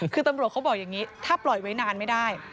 คือตำรวจเขาบอกอย่างนี้ถ้าปล่อยไว้นานไม่ได้